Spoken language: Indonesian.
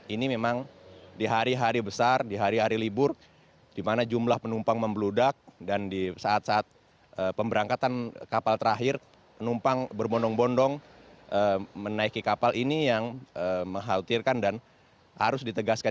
ini memang di hari hari besar di hari hari libur di mana jumlah penumpang membeludak dan di saat saat pemberangkatan kapal terakhir penumpang berbondong bondong menaiki kapal ini yang mengkhawatirkan dan harus ditegaskan